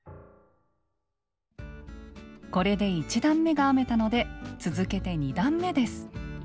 これで１段めが編めたので続けて２段めです。